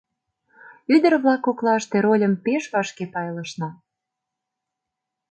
Ӱдыр-влак коклаште рольым пеш вашке пайлышна.